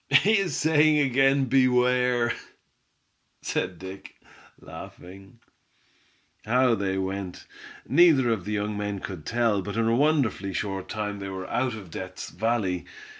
"He is saying again beware!" said Dick, laughing. How they went, neither of the young men could tell, but in a wonderfully short time they were out of Death's Valley.